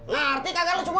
gak arti kagak lo semua